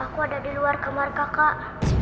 aku ada di luar kamar kakak